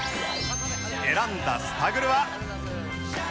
選んだスタグルは